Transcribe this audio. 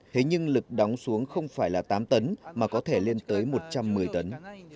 thế nhưng lực đóng xuống không phải là tám tấn mà có thể lên tới một trăm một mươi tấn